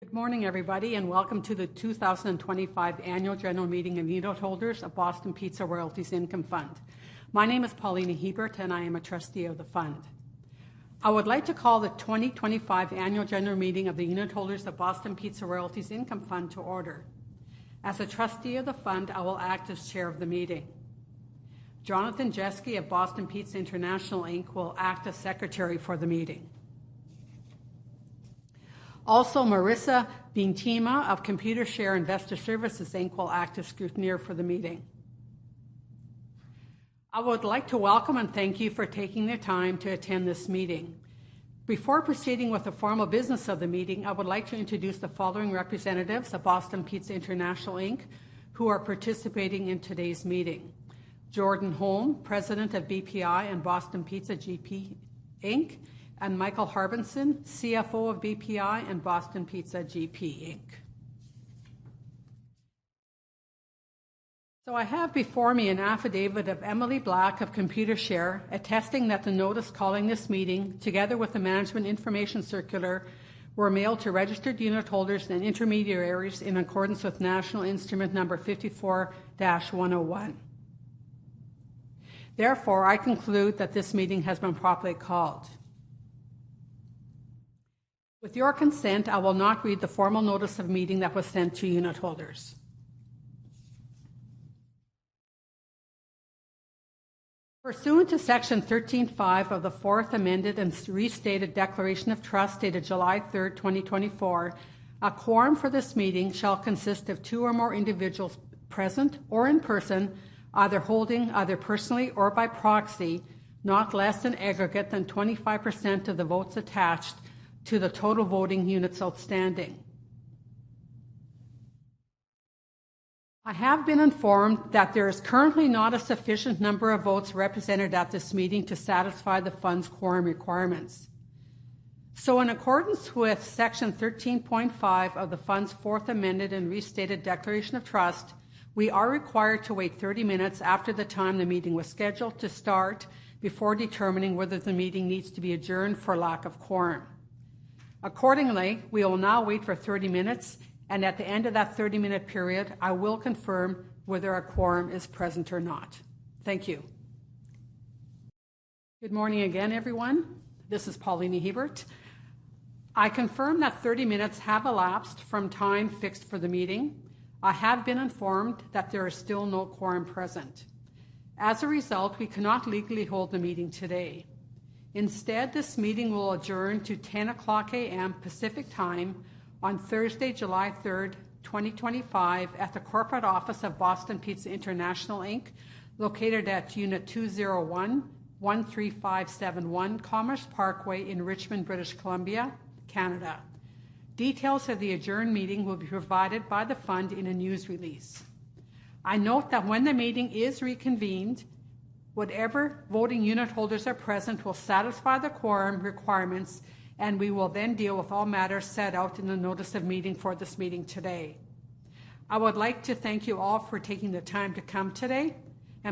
Good morning, everybody, and welcome to the 2025 Annual General Meeting of the Unit Holders of Boston Pizza Royalties Income Fund. My name is Paulina Hebert, and I am a Trustee of the Fund. I would like to call the 2025 Annual General Meeting of the Unit Holders of Boston Pizza Royalties Income Fund to order. As a Trustee of the Fund, I will act as Chair of the Meeting. Jonathan Jeske of Boston Pizza International Inc. will act as Secretary for the Meeting. Also, Marissa Beintema of Computershare Investor Services Inc. will act as Scrutineer for the Meeting. I would like to welcome and thank you for taking the time to attend this meeting. Before proceeding with the formal business of the meeting, I would like to introduce the following representatives of Boston Pizza International Inc. who are participating in today's meeting: Jordan Holm, President of BPI and Boston Pizza GP Inc., and Michael Harbinson, CFO of BPI and Boston Pizza GP Inc. I have before me an affidavit of Emily Black of Computershare attesting that the notice calling this meeting, together with the Management Information Circular, were mailed to registered unit holders and intermediaries in accordance with National Instrument 54-101. Therefore, I conclude that this meeting has been properly called. With your consent, I will not read the formal notice of meeting that was sent to unit holders. Pursuant to Section 13(5) of the Fourth Amended and Restated Declaration of Trust dated July 3, 2024, a quorum for this meeting shall consist of two or more individuals present in person, either holding, either personally or by proxy, not less in aggregate than 25% of the votes attached to the total voting units outstanding. I have been informed that there is currently not a sufficient number of votes represented at this meeting to satisfy the Fund's quorum requirements. In accordance with Section 13.5 of the Fund's Fourth Amended and Restated Declaration of Trust, we are required to wait 30 minutes after the time the meeting was scheduled to start before determining whether the meeting needs to be adjourned for lack of quorum. Accordingly, we will now wait for 30 minutes, and at the end of that 30-minute period, I will confirm whether a quorum is present or not. Thank you. Good morning again, everyone. This is Paulina Hebert. I confirm that 30 minutes have elapsed from time fixed for the meeting. I have been informed that there is still no quorum present. As a result, we cannot legally hold the meeting today. Instead, this meeting will adjourn to 10:00 A.M. Pacific Time on Thursday, July 3, 2025, at the corporate office of Boston Pizza International Inc., located at Unit 201, 13571 Commerce Parkway in Richmond, British Columbia, Canada. Details of the adjourned meeting will be provided by the Fund in a news release. I note that when the meeting is reconvened, whatever voting unit holders are present will satisfy the quorum requirements, and we will then deal with all matters set out in the notice of meeting for this meeting today. I would like to thank you all for taking the time to come today.